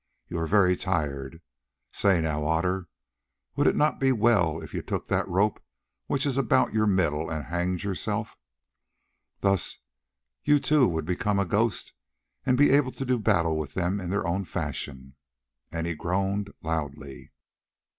You are very tired; say now, Otter, would it not be well if you took that rope which is about your middle and hanged yourself? Thus you too would become a ghost and be able to do battle with them in their own fashion," and he groaned loudly.